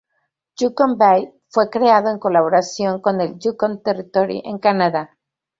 Yukon Bay fue creado en colaboración con el Yukon Territory en Canadá.